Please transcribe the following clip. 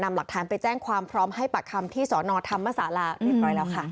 หลักฐานไปแจ้งความพร้อมให้ปากคำที่สอนอธรรมศาลาเรียบร้อยแล้วค่ะ